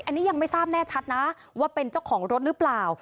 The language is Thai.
อันนี้ยังไม่ทราบแน่ชัดนะว่าเป็นเจ้าของรถหรือเปล่า